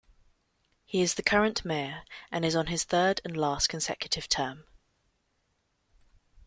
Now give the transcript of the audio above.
He is the current mayor and is on his third and last consecutive term.